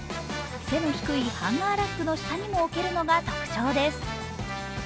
背の低いハンガーラックの下にも置けるのが特徴です。